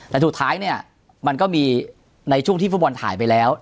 แต่สุดท้ายเนี่ยมันก็มีในช่วงที่ฟุตบอลถ่ายไปแล้ว